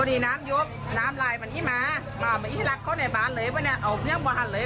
อีกละเขาในบ้านเลยนะออกเครื่องบ้านเลย